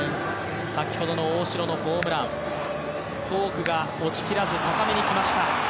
先ほどの大城のホームランフォークが落ちきらず高めにきました。